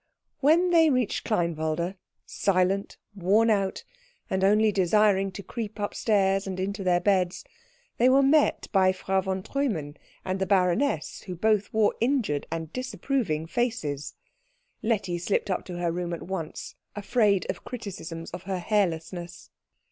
When they reached Kleinwalde, silent, wornout, and only desiring to creep upstairs and into their beds, they were met by Frau von Treumann and the baroness, who both wore injured and disapproving faces. Letty slipped up to her room at once, afraid of criticisms of her hairlessness.